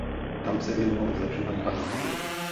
Tam se věnoval zlepšování parních lokomotiv.